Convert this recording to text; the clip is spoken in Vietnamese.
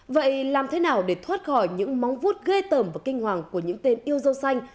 vậy làm thế nào để thoát khỏi những móng vuốt ghê tờm và kinh hoàng của những tên yêu dâu xanh